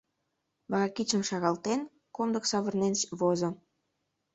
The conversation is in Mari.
Вара, кидшым шаралтен, комдык савырнен возо.